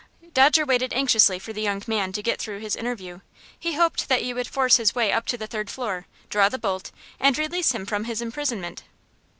Dodger waited anxiously for the young man to get through his interview. He hoped that he would force his way up to the third floor, draw the bolt, and release him from his imprisonment.